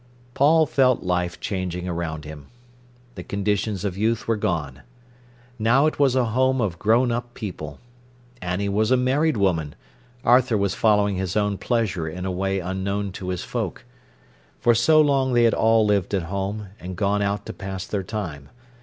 Paul felt life changing around him. The conditions of youth were gone. Now it was a home of grown up people. Annie was a married woman, Arthur was following his own pleasure in a way unknown to his folk. For so long they had all lived at home, and gone out to pass their time.